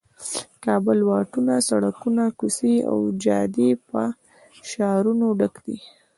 د کابل واټونه، سړکونه، کوڅې او جادې په شعارونو ډک دي.